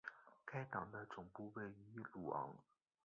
该党的总部位于鲁昂。